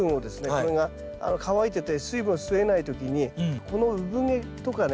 これが乾いてて水分を吸えない時にこのうぶ毛とかね